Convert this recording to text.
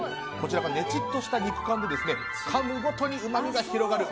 ねちっとした肉感でかむごとにうまみが広がる。